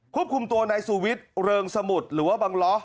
ควบคุมตัวนายสุวิทย์เริงสมุทรหรือว่าบังล้อ